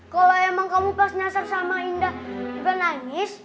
kalau emang kamu pas nasar sama indah juga nangis